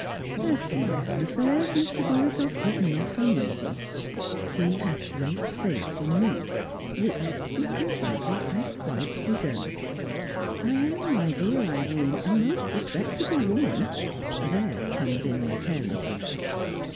As for my own affairs, Mr. Borisoff is not uneasy; he has great faith in me which, speaking frankly, I quite deserve. I am, my dear Irene, a most respectable woman there comes in my parentage."